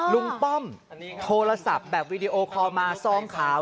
ป้อมโทรศัพท์แบบวีดีโอคอลมาซองขาว